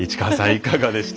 いかがでしたか？